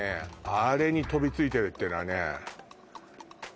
あれに飛びついてるってのはね